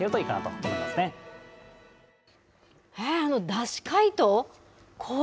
だし解凍？